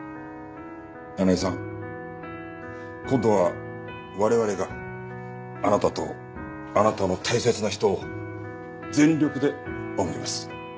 七井さん今度は我々があなたとあなたの大切な人を全力で守ります。